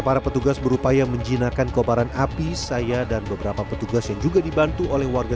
para petugas berupaya menjinakan kobaran api saya dan beberapa petugas yang juga dibantu oleh warga